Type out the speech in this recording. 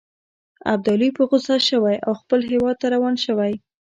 ابدالي په غوسه شوی او خپل هیواد ته روان شوی.